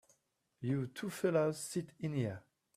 You two fellas sit in here.